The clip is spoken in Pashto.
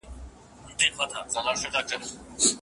ذهن ته دې لوېږي.